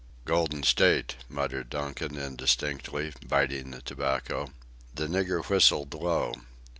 "Golden State," muttered Donkin indistinctly, biting the tobacco. The nigger whistled low.